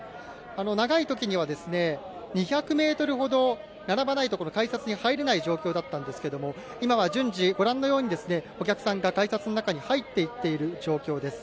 長いときにはですね２００メートルほど並ばないとこの改札に入れない状況だったんですけれども今は順次、ご覧のようにお客さんが改札の中に入っていっている状況です。